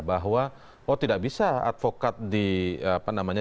bahwa oh tidak bisa advokat di apa namanya